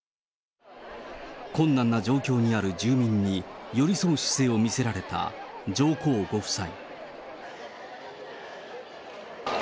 困難な状況にある住民に、寄り添う姿勢を見せられた上皇ご夫妻。